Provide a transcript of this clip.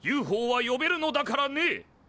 ＵＦＯは呼べるのだからね！